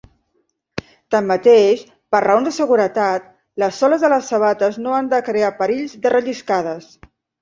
Tanmateix, per raons de seguretat, les soles de les sabates no han de crear perills de relliscades.